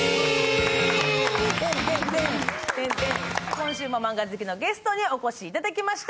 今週もマンガ好きのゲストにお越しいただきました。